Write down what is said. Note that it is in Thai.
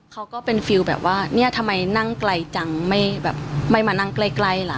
เขาก็เป็นฟิลแบบว่าเนี่ยทำไมนั่งไกลจังไม่แบบไม่มานั่งใกล้ล่ะ